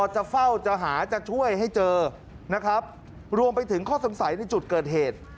จะเฝ้าจะหาจะช่วยให้เจอนะครับรวมไปถึงข้อสงสัยในจุดเกิดเหตุ